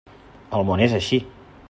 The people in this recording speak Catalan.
El món és així.